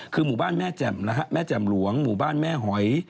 คือหมู่บ้านแม่แจ่มนะฮะแม่แจ่มหลวงหมู่บ้านแม่หอย